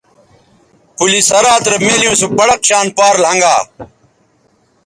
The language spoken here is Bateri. پلِ صراط رے مِیلیوں سو پڑق شان پار لھنگا